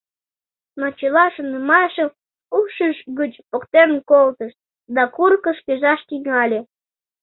Но чыла шонымашым ушыж гыч поктен колтыш, да курыкыш кӱзаш тӱҥале.